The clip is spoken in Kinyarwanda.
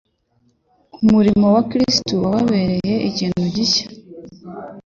Umurimo wa Kristo wababereye ikintu gishya,